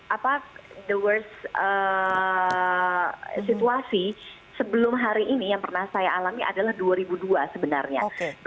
apa the worst situasi sebelum hari ini yang pernah saya alami adalah dua ribu dua sebenarnya